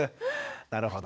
なるほど。